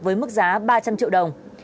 với mức giá ba trăm linh triệu đồng